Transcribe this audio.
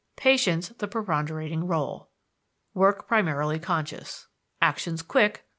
Patience the preponderating rôle. Work primarily conscious. Actions quick.